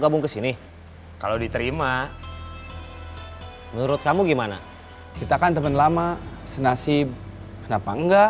gabung kesini kalau diterima menurut kamu gimana kita kan teman lama senasib kenapa enggak